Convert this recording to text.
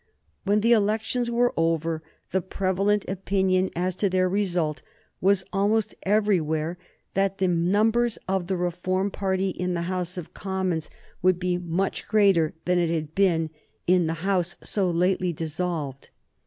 When the elections were over the prevalent opinion as to their result was almost everywhere that the numbers of the Reform party in the House of Commons would be much greater than it had been in the House so lately dissolved.